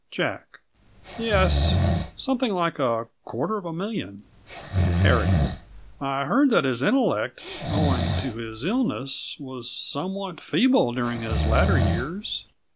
J. Yes; something like a quarter of a million. H. I heard that his intellect, owing to his illness, was somewhat feeble during his latter years.